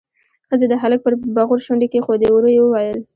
ښځې د هلک پر بغور شونډې کېښودې، ورو يې وويل: